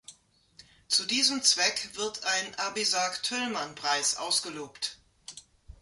Zu diesem Zweck wird ein Abisag-Tüllmann-Preis ausgelobt.